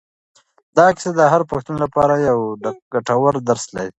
دا کیسه د هر پښتون لپاره یو ګټور درس لري.